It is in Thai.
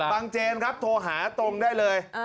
เจนครับโทรหาตรงได้เลย